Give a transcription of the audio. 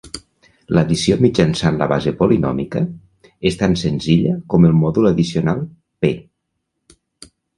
L'addició mitjançant la base polinòmica és tan senzilla com el mòdul addicional "p".